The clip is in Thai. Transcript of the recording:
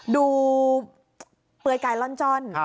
เปลือยกายล่อนจ้อน